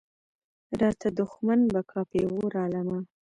راته دښمن به کا پېغور عالمه.